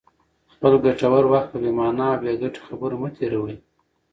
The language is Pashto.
خپل ګټور وخت په بې مانا او بې ګټې خبرو مه تېروئ.